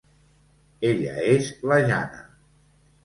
Ella és la Jana.